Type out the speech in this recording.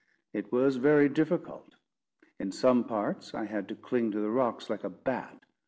It was very difficult. In some parts I had to cling to the rocks like a bat.